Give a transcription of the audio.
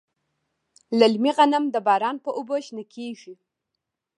للمي غنم د باران په اوبو شنه کیږي.